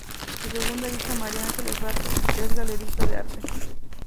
Su segunda hija, María Ángeles Rato, es galerista de arte.